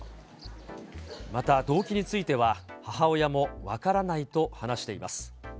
また動機については、母親も分からないと話しています。